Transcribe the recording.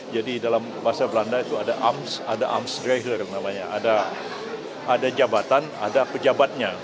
jadi dalam bahasa belanda itu ada ams ada amsdrejler namanya ada jabatan ada pejabatnya